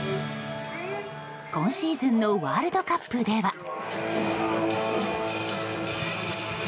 今シーズンのワールドカップでは。